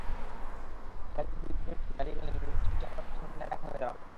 একাধিক বিদ্রোহী প্রার্থী দাঁড়িয়ে গেলে নির্বাচনটি আমাদের জন্য বুমেরাং হয়ে দাঁড়াবে।